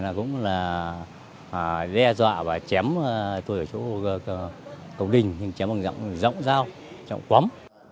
nghĩa là cũng là đe dọa và chém tôi ở chỗ cầu đình chém bằng giọng dao giọng quấm